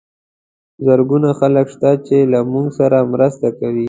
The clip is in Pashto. زرګونه خلک شته چې له موږ سره مرسته کوي.